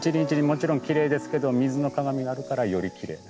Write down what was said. もちろんきれいですけど水の鏡があるからよりきれい。